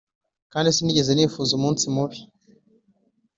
kandi sinigeze nifuza umunsi mubi